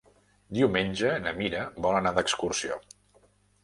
Diumenge na Mira vol anar d'excursió.